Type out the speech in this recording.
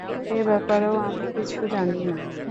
এ ব্যাপারেও আমি কিছু জানি না।